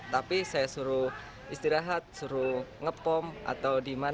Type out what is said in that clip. tapi saya suruh istirahat suruh nge pom atau dimakan